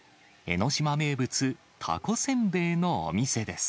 江の島名物、たこせんべいのお店です。